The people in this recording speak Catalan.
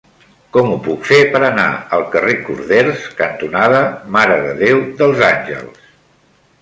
Com ho puc fer per anar al carrer Corders cantonada Mare de Déu dels Àngels?